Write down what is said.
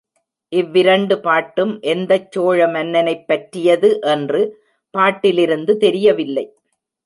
இவ்விரண்டு பாட்டும் எந்தச் சோழ மன்னனைப் பற்றியது என்று பாட்டிலிருந்து தெரியவில்லை.